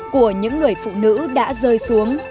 của những người phụ nữ đã rơi xuống